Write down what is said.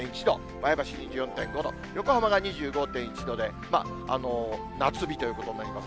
前橋２４．５度、横浜が２５．１度で、夏日ということになります。